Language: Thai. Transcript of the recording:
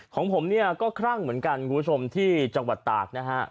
ของผมเนี่ยก็คลั่งเหมือนกันคุณผู้ชมที่จังหวัดตากนะฮะ